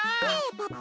パパ？